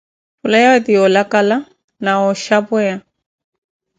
Phula yawe ti yoolakala na wooxapeya.